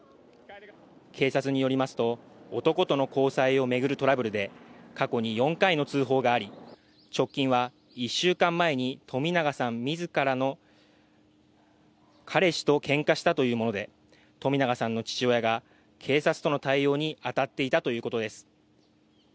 警察によりますと男との交際を巡るトラブルで過去に４回の通報があり直近は１週間前に冨永さん自らの彼氏とけんかしたというもので、冨永さんの父親が警察との対応に当たっていたということです。